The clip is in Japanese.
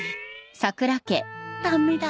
駄目だ。